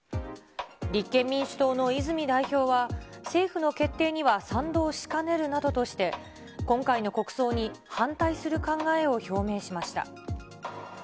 立憲民主党の泉代表は、政府の決定には賛同しかねるなどとして、今回の国葬に反対する考えを表明しました。